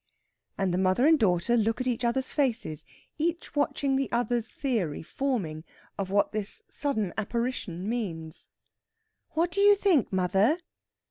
And the mother and daughter look at each other's faces, each watching the other's theory forming of what this sudden apparition means. "What do you think, mother?"